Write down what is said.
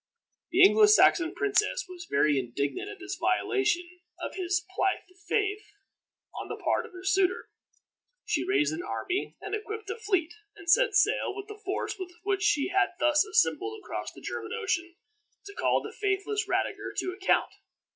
The Anglo Saxon princess was very indignant at this violation of his plighted faith on the part of her suitor. She raised an army and equipped a fleet, and set sail with the force which she had thus assembled across the German Ocean, to call the faithless Radiger to account.